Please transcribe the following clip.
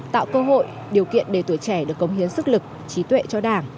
tạo cơ hội điều kiện để tuổi trẻ được cống hiến sức lực trí tuệ cho đảng